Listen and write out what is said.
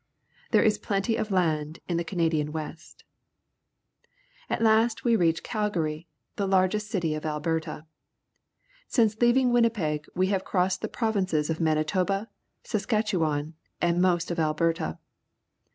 There is plenty of land in the Canadian West. At last we reach Cak/aii/, the largest city of Alberta. Since leaving Winnipeg we have crossed the provinces of Manitoba, Saskatche wan, and most of Alberta.